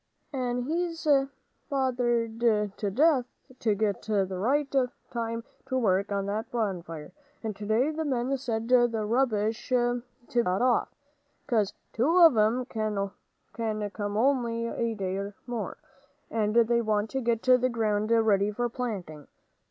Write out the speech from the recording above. "And he's been bothered to death to get the right time to work on that old bonfire, and today the men said the rubbish ought to be got off, 'cause two of 'em can come only a day more, and they want to get the ground ready for planting.